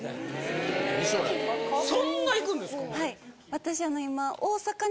私今。